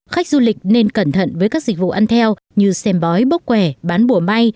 khách du lịch nên cẩn thận với các dịch vụ ăn theo như xem bói bốc quẻ bán bùa may